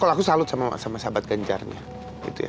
aku salut sama sahabat ganjarnya